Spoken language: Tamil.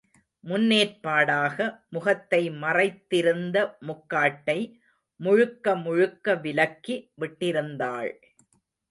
முன்னேற்பாடாக, முகத்தை மறைத்திருந்த முக்காட்டை முழுக்க முழுக்க விலக்கி விட்டிருந்தாள்.